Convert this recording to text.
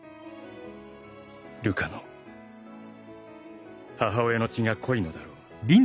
「瑠火の母親の血が濃いのだろう」